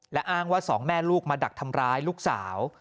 และอ้างว่าสองแม่ลูกมาดักทำร้ายลูกสาว